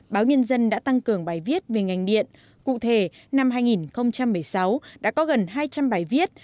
báo nhân dân đã tăng cường bài viết về ngành điện cụ thể năm hai nghìn một mươi sáu đã có gần hai trăm linh bài viết